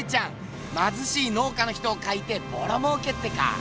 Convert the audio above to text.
まずしい農家の人を描いてボロもうけってか？